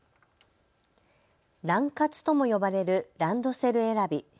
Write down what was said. ラン活とも呼ばれるランドセル選び。